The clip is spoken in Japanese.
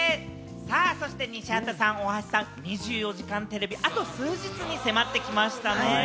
そして西畑さん、大橋さん、『２４時間テレビ』、あと数日に迫ってきましたね。